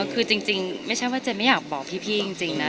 คือจริงไม่ใช่ว่าเจไม่อยากบอกพี่จริงนะ